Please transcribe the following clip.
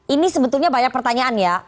ini sebetulnya banyak pertanyaan ya